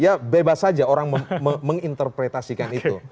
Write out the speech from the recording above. ya bebas saja orang menginterpretasikan itu